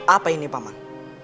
apa ini pak man